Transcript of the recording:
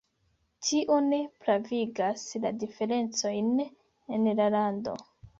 Tio ne pravigas la diferencojn en la lando.